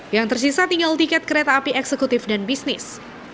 yang tersisa tinggal tiket kereta api eksekutif dan bisnis